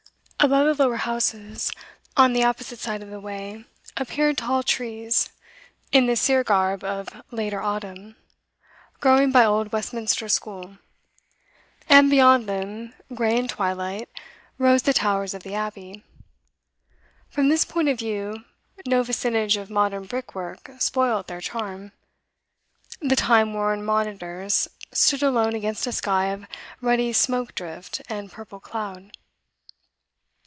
Above the lower houses on the opposite side of the way appeared tall trees, in the sere garb of later autumn, growing by old Westminster School; and beyond them, grey in twilight, rose the towers of the Abbey. From this point of view no vicinage of modern brickwork spoilt their charm; the time worn monitors stood alone against a sky of ruddy smoke drift and purple cloud.